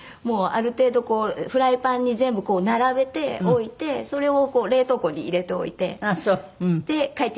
ある程度フライパンに全部並べておいてそれを冷凍庫に入れておいて。